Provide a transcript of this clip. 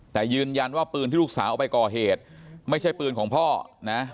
แต่ยืนยันว่าปืนที่ลูกสาวเอาไปก่อเหตุไม่ใช่ปืนของพ่อนะ